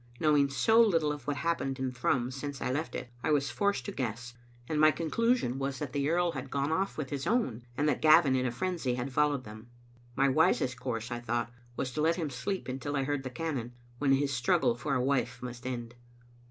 Knowing so little of what had happened in Thrums since I left it, I was forced to guess, and my conclusion was that the earl had gone off with his own, and that Gavin in a frenzy had followed them. My wisest course, I thought, was to let him sleep until I heard the cannon, when his strug gle for a wife must end.